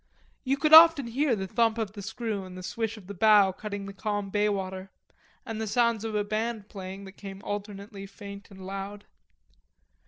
You could often hear the thump of the screw and the swish of the bow cutting the calm baywater, and the sound of a band playing, that came alternately faint and loud.